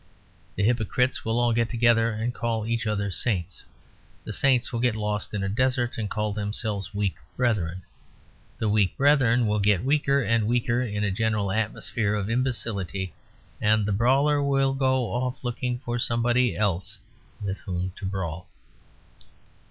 The hypocrites will all get together and call each other saints; the saints will get lost in a desert and call themselves weak brethren; the weak brethren will get weaker and weaker in a general atmosphere of imbecility; and the brawler will go off looking for somebody else with whom to brawl.